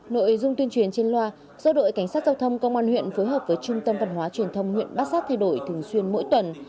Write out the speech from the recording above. nội dung tuyên truyền trên loa do đội cảnh sát giao thông công an huyện phối hợp với trung tâm văn hóa truyền thông huyện bát sát thay đổi thường xuyên mỗi tuần